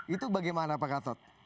itu bagaimana pak gatot